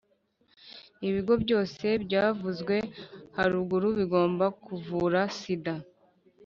ibigo byose byavuzwe haruguru bigomba kuvura sida,